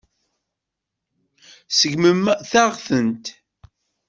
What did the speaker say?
Tseggmemt-aɣ-tent.